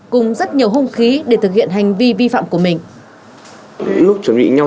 cùng rất nhiều hung khí để thực hiện hành vi vi phạm của mình